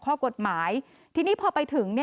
ข้อกฎหมายทีนี้พอไปถึง